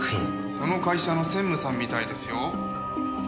その会社の専務さんみたいですよ。